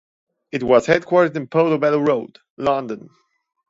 It was headquartered in Portobello Road, London.